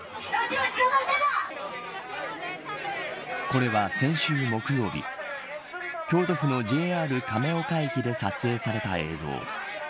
これは、先週木曜日京都府のＪＲ亀岡駅で撮影された映像。